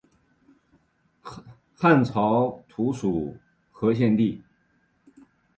汉朝属徒河县地。